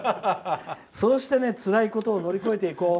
そうしてつらいことを乗り越えていこう。